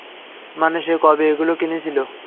মানে সে কবে এগুলো কিনেছিল?